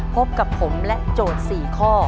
พบกับผมและโจทย์๔ข้อ